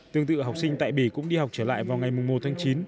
tương tự học sinh tại bỉ cũng đi học trở lại vào ngày một tháng chín